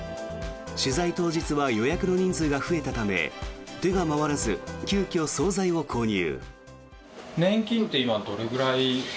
取材当日は予約の人数が増えたため手が回らず急きょ、総菜を購入。